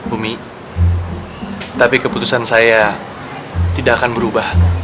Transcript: umi tapi keputusan saya tidak akan berubah